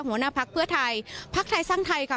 หัวหน้าพักเพื่อไทยพักไทยสร้างไทยค่ะ